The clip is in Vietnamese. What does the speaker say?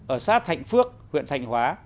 ở xá thạnh phước huyện thạnh hóa